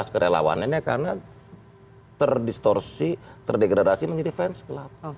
kerelawannya karena terdistorsi terdegradasi menjadi fan club